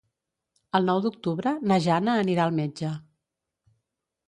El nou d'octubre na Jana anirà al metge.